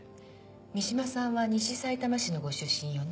三島さんは西さいたま市のご出身よね？